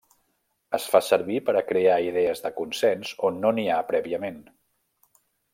Es fa servir per a crear idees de consens on no n'hi ha prèviament.